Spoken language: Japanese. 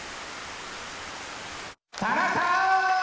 「田中！」。